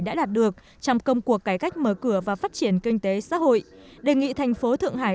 đã đạt được trong công cuộc cải cách mở cửa và phát triển kinh tế xã hội đề nghị thành phố thượng hải